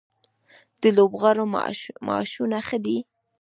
د لوبغاړو معاشونه ښه دي؟